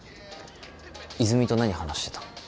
泉と何話してたの？